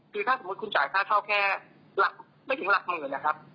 คือถ้าสมมุติคุณจ่ายค่าเช่าแค่ไม่ถึงหลักหมื่นนะครับ